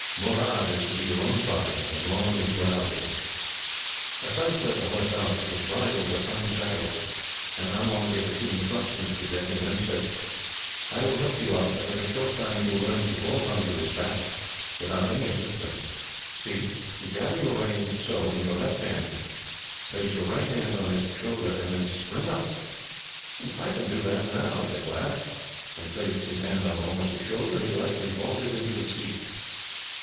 Murad is to be your own property, as long as you are out here." A syce led the horse out. It was bridled but unsaddled, and Anwar gave a few instructions to Dick, and then said: "I will help you up, but in a short time you will learn to vault on to his back, without any assistance. See! you gather your reins so, in your left hand, place your right hand on its shoulder, and then spring up." "I can do that now," Dick laughed, and, placing his hand on the horse's shoulder, he lightly vaulted into his seat.